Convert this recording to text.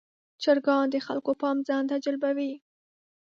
چرګان د خلکو پام ځان ته جلبوي.